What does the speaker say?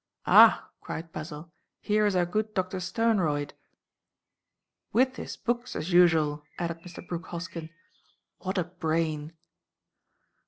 "Ah!" cried Basil, "here is our good Doctor Sternroyd!" "With his books, as usual," added Mr. Brooke Hoskyn. "What a brain!"